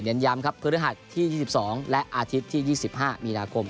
ย้ำครับพฤหัสที่๒๒และอาทิตย์ที่๒๕มีนาคม